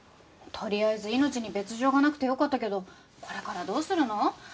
とりあえず命に別条がなくてよかったけどこれからどうするの？